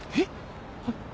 えっ。